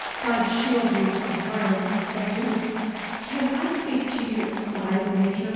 God shield you from harm,' said he. 'Can I speak to you aside, Major?